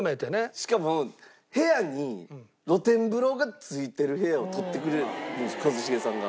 しかも部屋に露天風呂が付いてる部屋を取ってくれるんです一茂さんが。